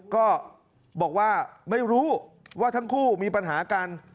ก็บอกว่าไม่รู้ว่าทั้งคู่มีปัญหากัน